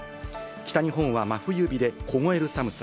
北日本は真冬日で凍える寒さ。